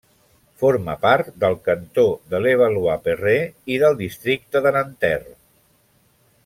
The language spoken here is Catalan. Forma part del cantó de Levallois-Perret i del districte de Nanterre.